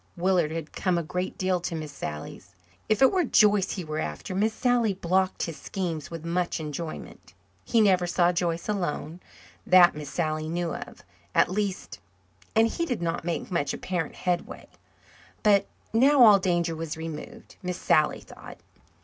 Willard had come a great deal to Miss Sally's. If it were Joyce he were after Miss Sally blocked his schemes with much enjoyment. He never saw Joyce alone that Miss Sally knew of, at least and he did not make much apparent headway. But now all danger was removed, Miss Sally thought.